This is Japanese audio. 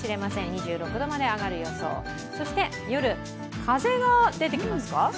２６度まで上がる予想、そして夜、風が出てきますか。